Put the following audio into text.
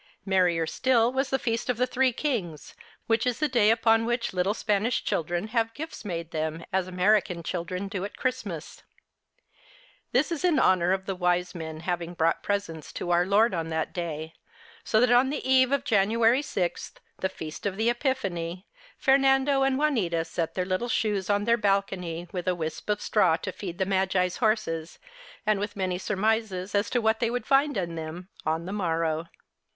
Merrier still was the feast of the Three Kings, which is the day upon which little Spanish children have gifts made them as American children do at Christmas. This is in honour of the Wise Men having brought presents to Our Lord on that day, so that on the eve of January sixth, the feast of the Epiphany, Fernando and Juanita set their little shoes on their balcony with a wisp of straw to feed the Magi's horses, and with many sur mises as to what they would find in them on the morrow.